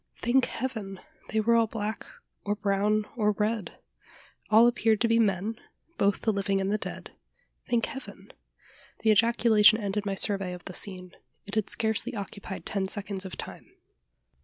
Thank Heaven! they were all black, or brown, or red! All appeared to be men both the living and the dead thank Heaven! The ejaculation ended my survey of the scene: it had scarcely occupied ten seconds of time.